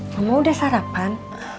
mama udah sarapan